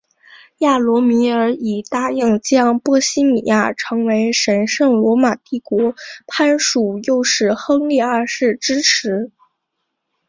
亚罗米尔以答应将波希米亚成为神圣罗马帝国藩属诱使亨利二世支持。